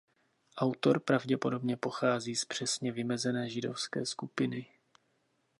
Autor pravděpodobně pochází z přesně vymezené židovské skupiny.